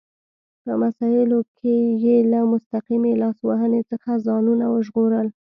په مسایلو کې یې له مستقیمې لاس وهنې څخه ځانونه ژغورل.